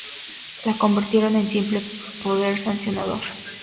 La convirtieron en simple poder sancionador.